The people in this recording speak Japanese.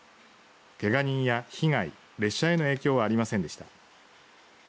けが人や被害列車への影響はありませんでした。